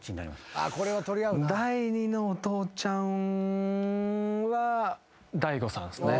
第２のお父ちゃんは大悟さんっすね。